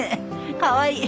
かわいい。